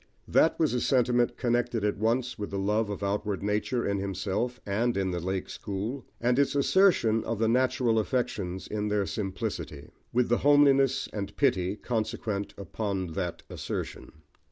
That was a sentiment connected at once with the love of outward nature in himself and in the "Lake School," and its assertion of the natural affections in their simplicity; with the homeliness and pity, consequent upon that assertion.